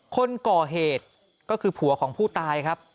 คนก่อเหตุก็คือผัวของผู้ตายครับ